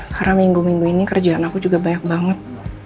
karena minggu minggu ini kerjaan aku juga banyak banget